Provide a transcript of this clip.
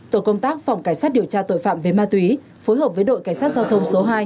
tổ công tác phòng cảnh sát điều tra tội phạm về ma túy phối hợp với đội cảnh sát giao thông số hai